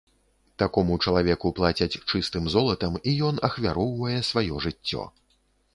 Такому чалавеку плацяць чыстым золатам, і ён ахвяроўвае сваё жыццё.